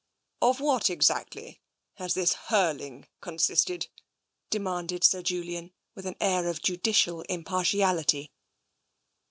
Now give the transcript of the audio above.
"Of what, exactly, has this hurling consisted?" demanded Sir Julian, with an air of judicial impartial ity.